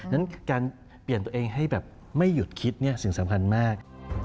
นั้นการเปลี่ยนตัวเองให้แบบไม่หยุดคิดสิ่งสำคัญมาก